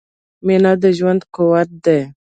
• مینه د ژوند قوت دی.